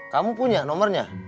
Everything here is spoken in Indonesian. kamu punya nomernya